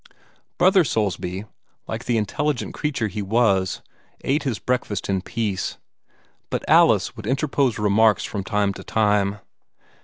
Brother Soulsby, like the intelligent creature he was, ate his breakfast in peace; but Alice would interpose remarks from time to time.